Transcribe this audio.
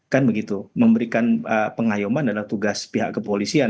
kan begitu memberikan pengayuman adalah tugas pihak kepolisian